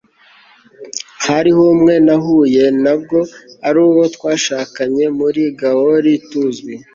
Hariho umwe nahuyentabwo ari uwo twashakanyemuri gaol tuzwi